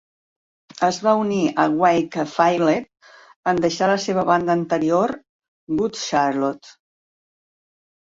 Es va unir a Wakefiled en deixar la seva banda anterior, Good Charlotte.